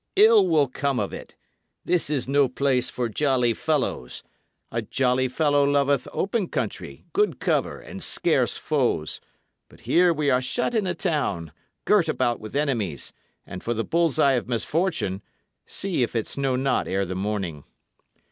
Ill will come of it. This is no place for jolly fellows. A jolly fellow loveth open country, good cover, and scarce foes; but here we are shut in a town, girt about with enemies; and, for the bull's eye of misfortune, see if it snow not ere the morning."